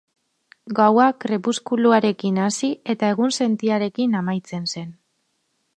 Gaua krepuskuluarekin hasi eta egunsentiarekin amaitzen zen.